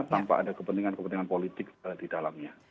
tanpa ada kepentingan kepentingan politik di dalamnya